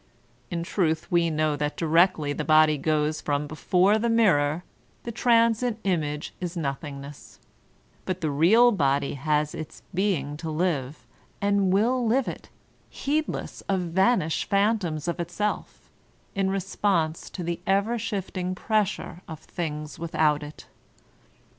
*' In truth we know that directly the body goes from before the The Dominant Idea 8i miiTory the transient image is nothingness; but the real body has its being to live, and will live it, heedless of vanished phantoms of itself, in response to the ever shifting pressure of things without it.